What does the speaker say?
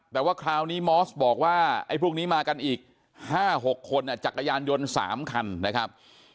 แต่ว่าคราวนี้มอสบอกว่าไอ้พวกนี้มากันอีก๕๖คนจักรยานยนต์๓คันนะครับ